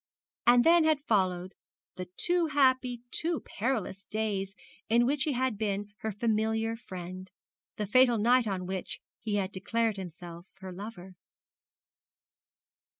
And then had followed the too happy, too perilous days in which he had been her familiar friend, the fatal night on which he had declared himself her lover.